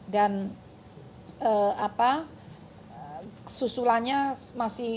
dan susulannya masih